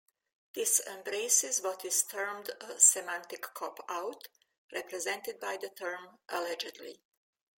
This embraces what is termed a "semantic cop-out", represented by the term "allegedly".